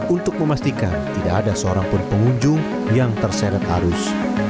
untuk memastikan tidak ada seorang pun pengunjung yang terseret arus